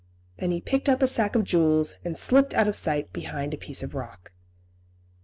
Then he picked up a sack of jewels, and slipped out of sight behind a piece of rock.